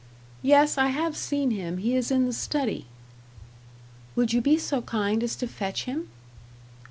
"Yes, I have seen him; he is in the study." "Would you be so kind as to fetch him?"